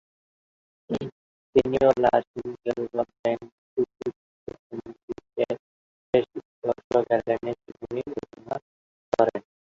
তিনি ও লা-সুম-র্গ্যাল-বা-ব্যাং-ছুব তিব্বত সম্রাজ্ঞী য়ে-শেস-ম্ত্শো-র্গ্যালের জীবনী রচনা করেন।